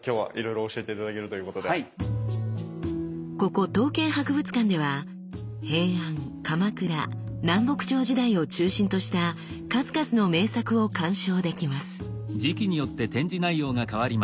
ここ刀剣博物館では平安鎌倉南北朝時代を中心とした数々の名作を鑑賞できます。